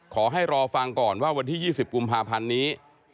ขอให้รอฟังก่อนว่าวันที่๒๐กุมภาพันธ์นี้